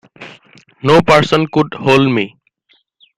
No person could hold me.